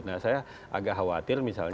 nah saya agak khawatir misalnya